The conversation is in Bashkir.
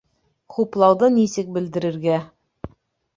Хуплауҙы нисек белдерергә